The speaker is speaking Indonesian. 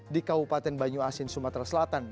di kabupaten banyu asin sumatera selatan